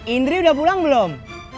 idri udah pulang belum